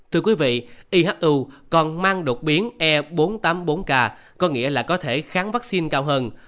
thưa quý vị ihu còn mang đột biến e bốn trăm tám mươi bốn k có nghĩa là có thể kháng vaccine cao hơn